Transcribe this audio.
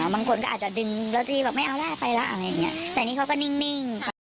บางคนก็อาจจะดึงโรเตอรี่แล้วบอกไม่เอาล่ะไปละอะไรอย่างนี้ก็นิ่ง